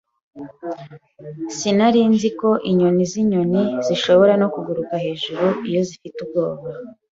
Sinari nzi ko inyoni zinyoni zishobora no kuguruka hejuru iyo zifite ubwoba.